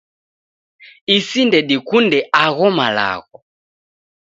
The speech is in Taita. isi ndedikunde agho malagho